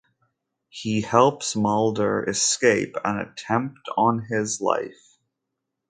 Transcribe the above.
He helps Mulder escape an attempt on his life.